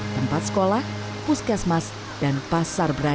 tempat sekolah puskesmas dan pasar berada